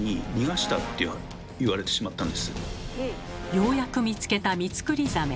ようやく見つけたミツクリザメ。